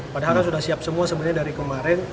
padahal kan sudah siap semua sebenarnya dari kemarin